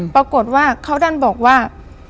ปรากฏว่าเขาดันบอกว่า